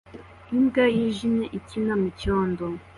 Imbwa yijimye ikina mucyondo